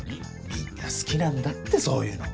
みんな好きなんだってそういうの。